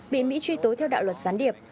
bị mỹ truy tố theo đạo luật gián điệp